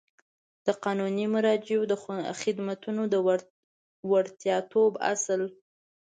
د قانوني مراجعو د خدمتونو د وړیاتوب اصل